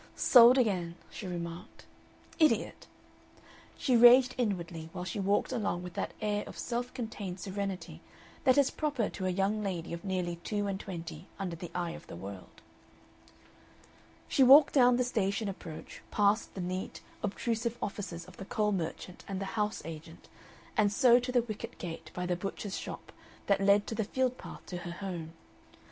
"Sold again," she remarked. "Idiot!" She raged inwardly while she walked along with that air of self contained serenity that is proper to a young lady of nearly two and twenty under the eye of the world. She walked down the station approach, past the neat, obtrusive offices of the coal merchant and the house agent, and so to the wicket gate by the butcher's shop that led to the field path to her home.